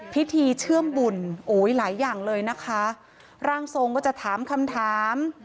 เชื่อมบุญโอ้ยหลายอย่างเลยนะคะร่างทรงก็จะถามคำถาม